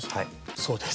そうです。